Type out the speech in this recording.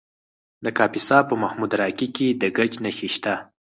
د کاپیسا په محمود راقي کې د ګچ نښې شته.